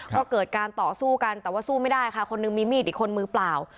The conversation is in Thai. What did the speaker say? ก็เกิดการต่อสู้กันแต่ว่าสู้ไม่ได้ค่ะคนหนึ่งมีมีดอีกคนมือเปล่า